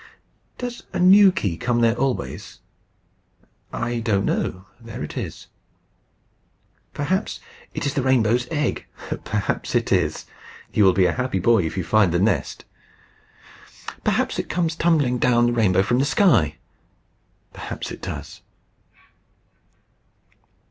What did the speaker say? "How does a new key come there always?" "I don't know. There it is." "Perhaps it is the rainbow's egg." "Perhaps it is. You will be a happy boy if you find the nest." "Perhaps it comes tumbling down the rainbow from the sky." "Perhaps it does."